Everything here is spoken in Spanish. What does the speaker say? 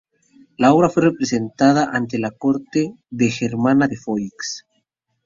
La obra fue representada ante la corte de Germana de Foix.